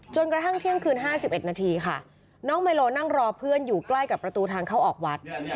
กระทั่งเที่ยงคืน๕๑นาทีค่ะน้องไมโลนั่งรอเพื่อนอยู่ใกล้กับประตูทางเข้าออกวัด